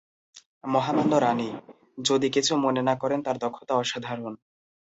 মহামান্য রানী, যদি কিছু মনে না করেন, তার দক্ষতা অসাধারণ।